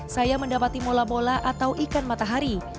saya mendapati mola mola atau ikan matahari